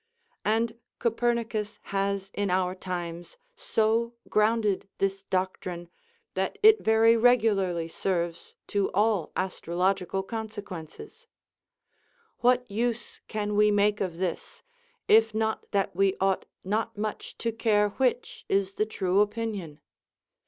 And Copernicus has in our times so grounded this doctrine that it very regularly serves to all astrological consequences; what use can we make of this, if not that we ought not much to care which is the true opinion?